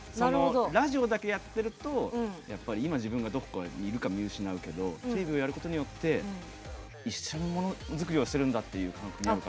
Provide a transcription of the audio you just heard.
ラジオだけやってると今、自分がどこにいるか見失うけどテレビをやることによって一緒にものづくりをしてるんだと。